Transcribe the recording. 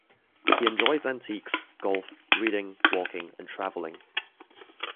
He enjoys antiques, golf, reading, walking and travelling.